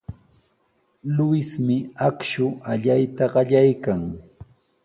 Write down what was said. Luismi akshu allayta qallaykan.